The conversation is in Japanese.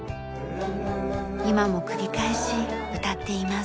今も繰り返し歌っています。